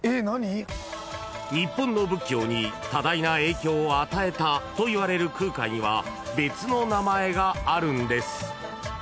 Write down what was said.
［日本の仏教に多大な影響を与えたといわれる空海には別の名前があるんです］